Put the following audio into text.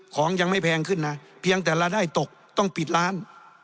ของยังไม่แพงขึ้นนะเพียงแต่รายได้ตกต้องปิดร้าน